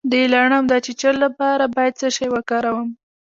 د لړم د چیچلو لپاره باید څه شی وکاروم؟